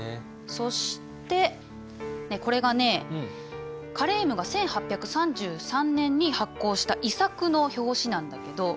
そしてこれがねカレームが１８３３年に発行した遺作の表紙なんだけど。